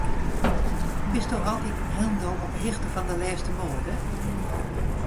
Bisto altiten hielendal op 'e hichte fan de lêste moade?